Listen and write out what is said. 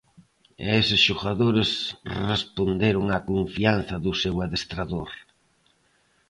E eses xogadores responderon á confianza do seu adestrador.